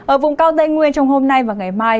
ở vùng cao tây nguyên trong hôm nay và ngày mai